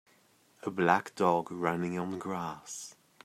A black dog running on grass